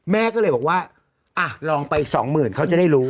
แม่ก็เลยบอกว่าอ่ะลองไปสองหมื่นเขาจะได้รู้